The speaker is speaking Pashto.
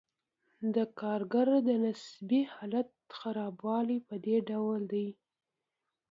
د کارګر د نسبي حالت خرابوالی په دې ډول دی